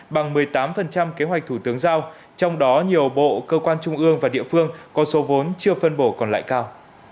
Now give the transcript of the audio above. bằng một mươi tám kế hoạch thủ tướng giao trong đó nhiều bộ cơ quan trung ương và địa phương có số vốn chưa phân bổ còn lại cao